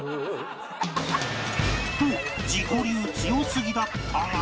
と自己流強すぎだったが